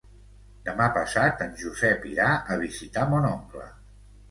Demà passat en Josep irà a visitar mon oncle.